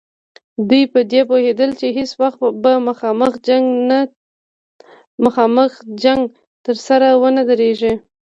دوی په دې پوهېدل چې هېڅ وخت به مخامخ جنګ ته سره ونه دریږي.